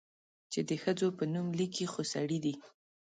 چې د ښځو په نوم ليکي، خو سړي دي؟